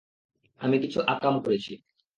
আমি কিছু অকাম করেছি।